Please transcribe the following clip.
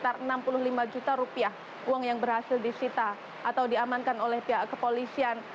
rp lima juta uang yang berhasil disita atau diamankan oleh pihak kepolisian